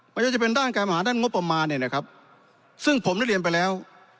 ไม่ว่าจะเป็นด้านการบริหารด้านงบประมาณเนี่ยนะครับซึ่งผมได้เรียนไปแล้ว